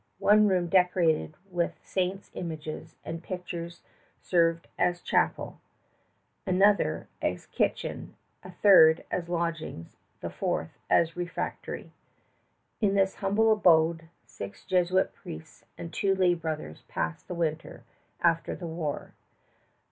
One room decorated with saints' images and pictures served as chapel; another, as kitchen; a third, as lodgings; the fourth, as refectory. In this humble abode six Jesuit priests and two lay brothers passed the winter after the war.